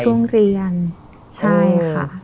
ช่วงเรียนใช่ค่ะ